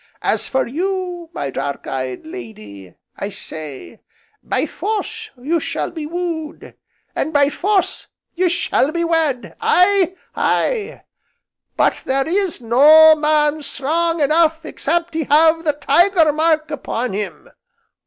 As for you, my dark eyed lady, I say, by force you shall be wooed, and by force ye shall be wed, aye! aye! but there is no man strong enough except he have the Tiger Mark upon him.